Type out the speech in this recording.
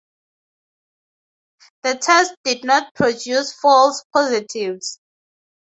The test did not produce false positives.